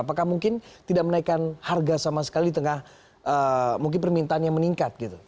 apakah mungkin tidak menaikkan harga sama sekali di tengah mungkin permintaan yang meningkat gitu